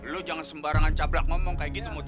lu jangan sembarangan cablak ngomong kayak gitu mut ya